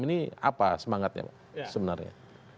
ini apa semangatnya sebenarnya